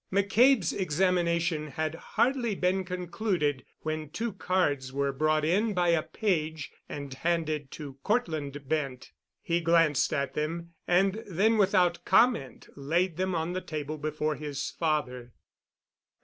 McCabe's examination had hardly been concluded when two cards were brought in by a page and handed to Cortland Bent. He glanced at them, and then, without comment, laid them on the table before his father.